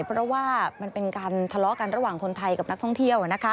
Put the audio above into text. เพราะว่ามันเป็นการทะเลาะกันระหว่างคนไทยกับนักท่องเที่ยว